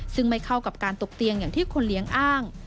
ซึ่งไม่เข้ากับการตกเตียงอย่างที่คนเลี้ยงอ้าง